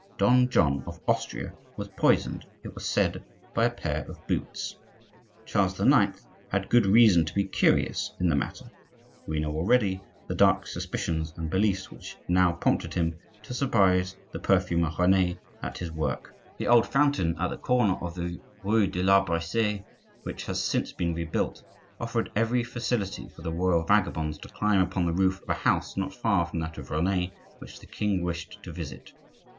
Don John of Austria was poisoned, it was said, by a pair of boots. [*] Written sixty six years ago.—Tr. Charles IX. had good reason to be curious in the matter; we know already the dark suspicions and beliefs which now prompted him to surprise the perfumer Rene at his work. The old fountain at the corner of the rue de l'Arbre See, which has since been rebuilt, offered every facility for the royal vagabonds to climb upon the roof of a house not far from that of Rene, which the king wished to visit.